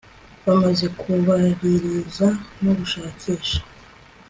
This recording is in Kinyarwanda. bamaze kubaririza no gushakisha